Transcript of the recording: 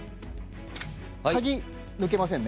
鍵抜けませんね？